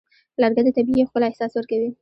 لرګی د طبیعي ښکلا احساس ورکوي.